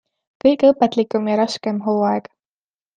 Kõige õpetlikum ja raskem hooaeg.